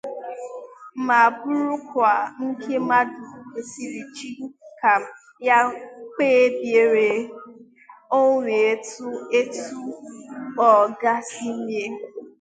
ma bụrụkwa nke mmadụ kwesiri iji aka ya kpebiere onwe etu ọ ga-esi mee